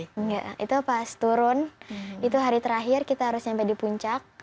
enggak itu pas turun itu hari terakhir kita harus sampai di puncak